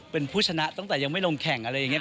เป็นผู้ชนะตั้งแต่ยังไม่ลงแข่งอะไรอย่างนี้